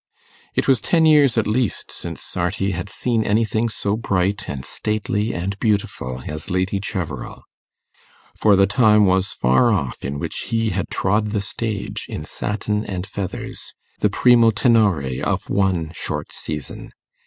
It was ten years at least since Sarti had seen anything so bright and stately and beautiful as Lady Cheverel. For the time was far off in which he had trod the stage in satin and feathers, the primo tenore of one short season.